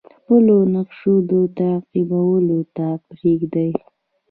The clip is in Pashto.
خپلو نقشو تعقیبولو ته پریږدي.